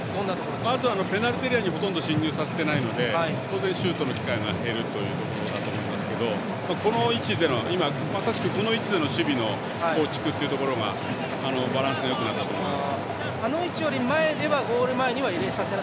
まずペナルティーエリアにほとんど進入させてないので当然、シュートの機会が減るというところだと思いますがまさしくこの位置での守備の構築というところがバランスよくなったと思います。